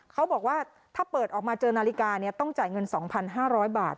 เขาบอกว่าถ้าเปิดออกมาเจอนาฬิกาเนี่ยต้องจ่ายเงินสองพันห้าร้อยบาท